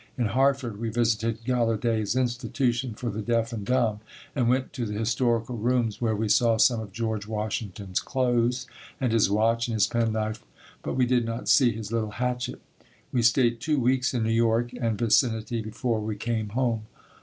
In Hartford we visited Gallaudet's Institution for the deaf and dumb and went to the historical rooms, where we saw some of George Washington's clothes and his watch and his penknife, but we did not see his little hatchet. We stayed two weeks in New York and vicinity before we came home.